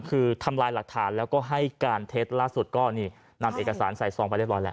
คือทำลายหลักฐานแล้วก็ให้การเท็จล่าสุดก็นี่นำเอกสารใส่ซองไปเรียบร้อยแล้ว